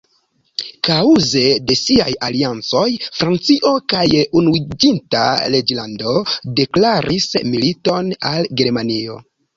Kaŭze de siaj aliancoj Francio kaj Unuiĝinta Reĝlando deklaris militon al Germanio.